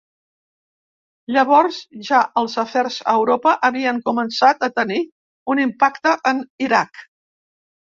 Llavors ja els afers a Europa havien començat a tenir un impacte en Iraq.